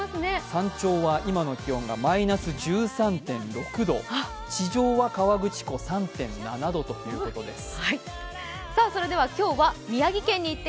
山頂は今の気温がマイナス１３．６度、地上は河口湖３．７度ということです。